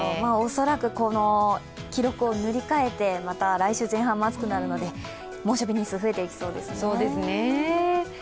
恐らくこの記録を塗り替えてまた来週前半も暑くなるので猛暑日日数、増えていきそうですね